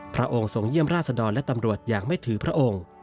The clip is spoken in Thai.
พระองค์ทรงเยี่ยมราชดรและตำรวจอย่างไม่ถือพระองค์